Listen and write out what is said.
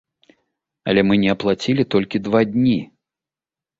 Але мы не аплацілі толькі два дні!